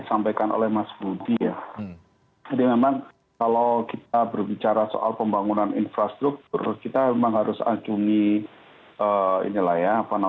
apa yang terjadi dalam dua tahun terakhir ini